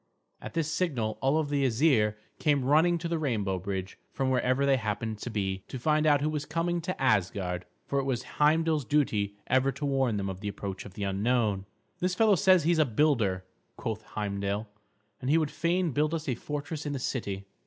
At this signal all the Æsir came running to the rainbow bridge, from wherever they happened to be, to find out who was coming to Asgard. For it was Heimdal's duty ever to warn them of the approach of the unknown. "This fellow says he is a builder," quoth Heimdal. "And he would fain build us a fortress in the city."